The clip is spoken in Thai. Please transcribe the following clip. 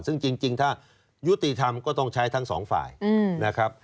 ซึ่งจริงถ้ายุติธรรมก็ต้องใช้ทั้งสองฝ่ายนะครับ